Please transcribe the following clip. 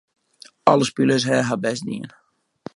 Alle spilers hawwe har bêst dien.